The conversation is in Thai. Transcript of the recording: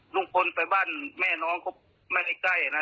ลุงพลไปบ้านแม่น้องก็ไม่ได้ใกล้นะ